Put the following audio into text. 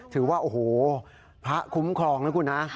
ถือว่าโอ้โหพระคุ้มครองนะคุณนะ